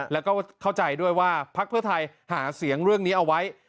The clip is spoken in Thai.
แล้วก็เข้าใจด้วยว่าพักเพื่อไทยหาเสียงเรื่องนี้เอาไว้